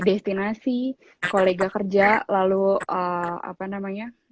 destinasi kolega kerja lalu apa namanya